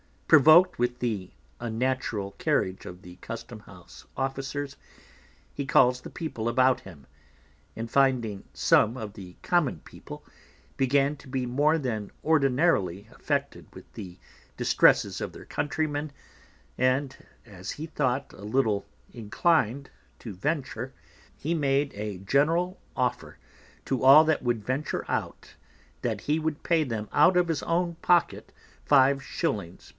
Provoked with the unnatural Carriage of the Custom House Officers, he calls the People about him; and finding some of the Common People began to be more than ordinarily affected with the Distresses of their Countrymen, and as he thought a little enclin'd to venture; he made a general Offer to all that would venture out, that he would pay them out of his own Pocket _5s.